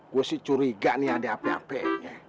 gue sih curiga nih ada apa apainya